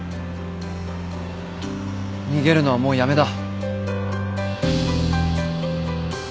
逃げるのはもうやめだ。